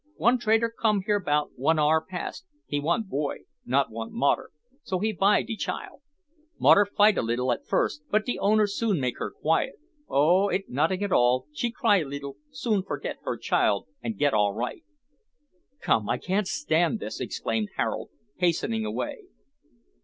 One trader come here 'bout one hour past. He want boy not want modder; so he buy de chile. Modder fight a littil at first, but de owner soon make her quiet. Oh, it notting at all. She cry a littil soon forget her chile, an' get all right." "Come, I can't stand this," exclaimed Harold, hastening away.